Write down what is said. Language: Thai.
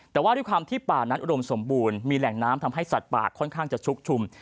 แต่ว่าด้วยความที่ป่านั้นอุดมสมบูรณ์มีแหล่งน้ำทำให้สัตว์ป่าค่อนข้างจะชุกชุม